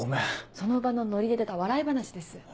その場のノリで出た笑い話です。